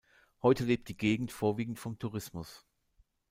Heute lebt die Gegend vorwiegend vom Tourismus.